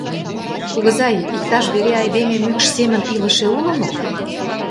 Кугызай, иктаж вере айдеме мӱкш семын илыше уло мо?